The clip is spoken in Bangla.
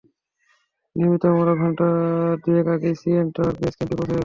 নিয়মমতো আমরা ঘণ্টা দুয়েক আগেই সিএন টাওয়ার বেইস ক্যাম্পে পৌঁছে গেলাম।